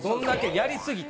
やり過ぎて。